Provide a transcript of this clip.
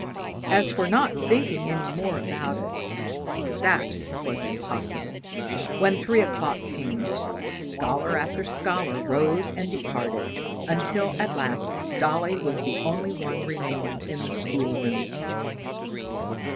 As for not thinking any more about it that was impossible. When three o'clock came, scholar after scholar rose and departed, until at last Dolly was the only one remaining in the school room.